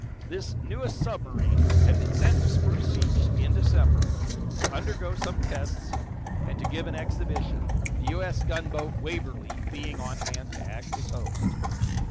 This newest submarine had been sent to Spruce Beach, in December, to undergo some tests and to give an exhibition, the U.S. gunboat, "Waverly" being on hand to act as host.